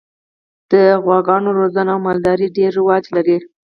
د غواګانو روزنه او مالداري ډېر رواج لري.